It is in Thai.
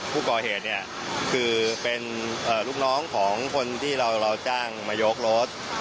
ผู้ก่อเหตุเนี่ยคือเป็นลูกน้องของคนที่เราจ้างมายกรถ